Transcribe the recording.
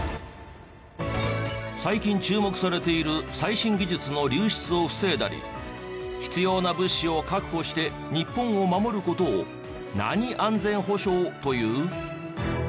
最近注目されている最新技術の流出を防いだり必要な物資を確保して日本を守る事を何安全保障という？